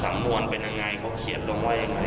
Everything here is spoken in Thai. สำนวนเป็นยังไงเขาเขียนลงว่ายังไง